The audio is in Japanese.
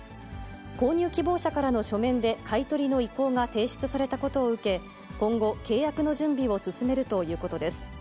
購入希望者からの書面で買い取りの意向が提出されたことを受け、今後、契約の準備を進めるということです。